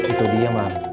itu dia mak